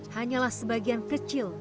hanyalah sebagian kecil